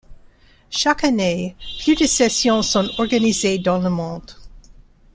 Chaque année, plus de sessions sont organisées dans le monde.